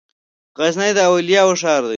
غزني د اولياوو ښار ده